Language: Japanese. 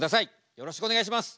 よろしくお願いします。